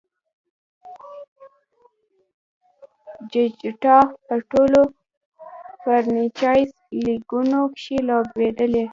جډیجا په ټولو فرنچائز لیګونو کښي لوبېدلی.